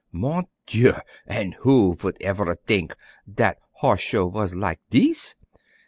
Mon Dieu! an' who vould evere t'ink Dat Horse Show vas lak' dese!